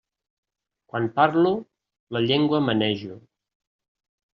Quan parlo, la llengua manejo.